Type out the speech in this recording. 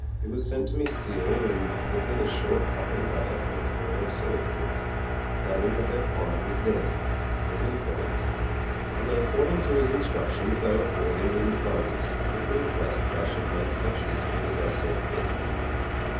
It was sent to me sealed, and with it a short covering letter from a firm of solicitors stating that their client was dead — Skilled in France — ^and that according to his in structions they were forwarding the enclosed, with the request that I should make such use of it as I saw fit.